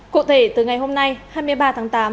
cụ thể từ ngày hôm nay hai mươi ba tháng tám